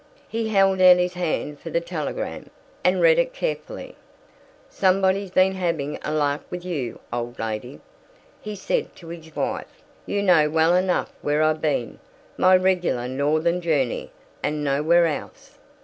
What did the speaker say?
He held out his hand for the telegram, and read it carefully. "Somebody's been having a lark with you, old lady," he said to his wife. "You know well enough where I've been my regular northern journey, and nowhere else."